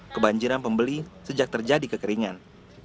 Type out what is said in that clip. kebanjiran pembeli sejak terjadi kekeringan